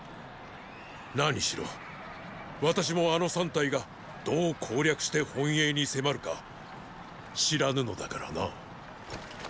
何しろ私もあの三隊がどう攻略して本営に迫るか知らぬのだからな。